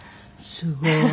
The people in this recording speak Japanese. すごい。